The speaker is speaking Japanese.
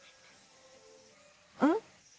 うん？